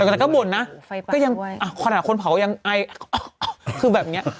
แต่ก็บ่นนะพอละคนเผายังไออกะคือแบบเงี้ย